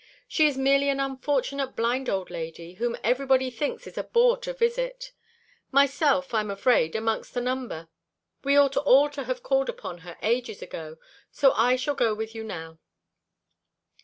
She is merely an unfortunate blind old lady, whom everybody thinks it a bore to visit myself, I'm afraid, amongst the number. We ought all to have called upon her ages ago, so I shall go with you now."